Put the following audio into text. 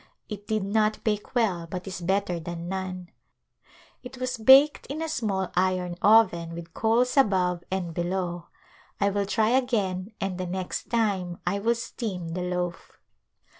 It did not bake well but is better than none. It was baked in a small iron oven with coals above and below. I will try again and the next time I will steam the loaf.